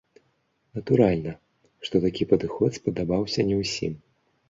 Натуральна, што такі падыход спадабаўся не ўсім.